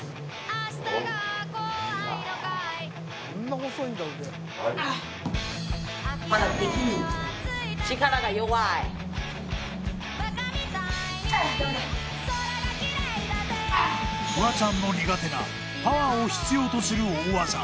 ダメだフワちゃんの苦手なパワーを必要とする大技